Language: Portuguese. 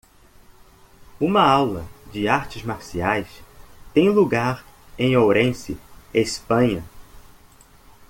uma aula de artes marciais tem lugar em Ourense? Espanha.